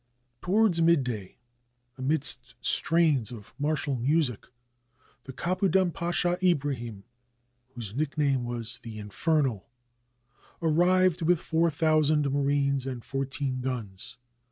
Towards midday, amidst strains of martial music, the Kapudan Pasha Ibrahim, whose nickname was ''The 523 TURKEY Infernal," arrived with four thousand marines and four teen guns.